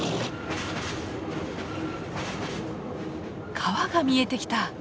川が見えてきた。